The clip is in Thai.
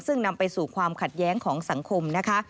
ซึ่งนำไปสู่ความขัดแย้งของสังคมนะคะ